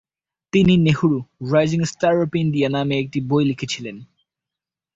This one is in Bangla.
তিনি "Nehru: rising star of India" নামে একটি বই লিখেছিলেন।